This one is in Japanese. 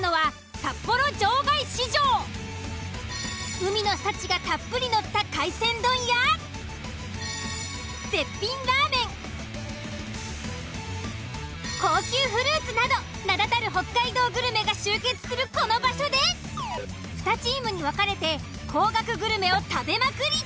海の幸がたっぷりのった海鮮丼や絶品ラーメン高級フルーツなど名だたる北海道グルメが集結するこの場所で２チームに分かれて高額グルメを食べまくり。